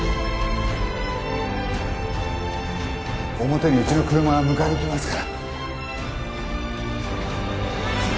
表にうちの車が迎えに来ますから。